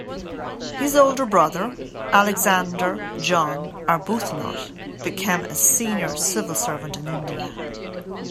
His older brother, Alexander John Arbuthnot, became a senior civil servant in India.